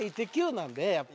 なのでやっぱ。